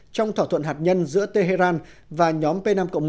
trong thỏa thuận hạt nhân giữa tehran và nhóm p năm một